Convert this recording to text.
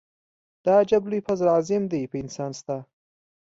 دا عجب لوی فضل عظيم دی په انسان ستا.